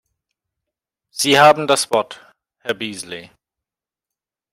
Sie haben das Wort, Herr Beazley.